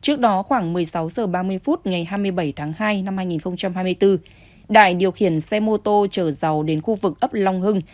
trước đó khoảng một mươi sáu h ba mươi phút ngày hai mươi bảy tháng hai năm hai nghìn hai mươi bốn đại điều khiển xe mô tô chở dầu đến khu vực ấp long hưng